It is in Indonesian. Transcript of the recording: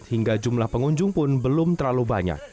hingga jumlah pengunjung pun belum terlalu banyak